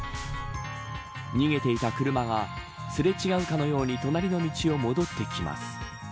逃げていた車がすれ違うかのように隣の道を戻ってきます。